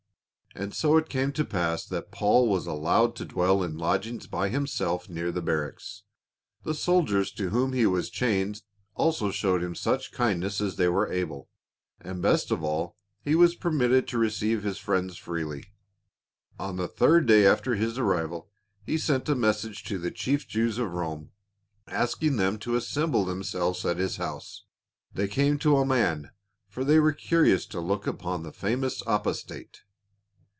And so it came to pass that Paul was allowed to dwell in lodgings by himself near the barracks. The soldiers to whom he was chained also showed him such kindness as they were able, and best of all he was permitted to receive his friends freely. On the third day after his arrival he sent a message to the chief Jews of Rome asking them to assemble them selves at his house. They came to a man for they were curious to look upon the famous apostate.